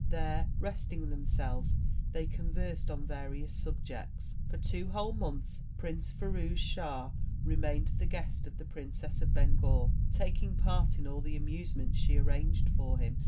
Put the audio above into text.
There, resting themselves, they conversed on various subjects. For two whole months Prince Firouz Schah remained the guest of the Princess of Bengal, taking part in all the amusements she arranged for him.